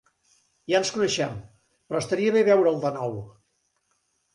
Ja ens coneixem, però estaria bé veure'l de nou.